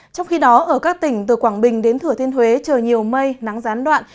trong khi đó ở các tỉnh từ quảng bình đến thừa thiên huế trời nhiều mây nắng gián đoạn